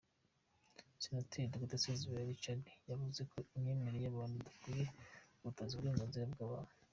Senateri Dr Sezibera Richard yavuze ko imyemerere y’abantu idakwiye guhutaza uburenganzira bw’abantu.